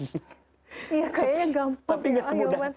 kayaknya gampang ya